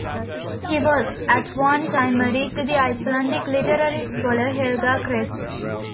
He was at one time married to the Icelandic literary scholar Helga Kress.